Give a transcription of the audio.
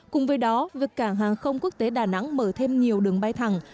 cùng với đó việc cảng hàng không quốc tế đà nẵng mở thêm nhiều đường bay thẳng